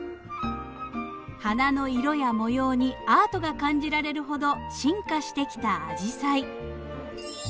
花の色や模様にアートが感じられるほど「進化」してきたアジサイ。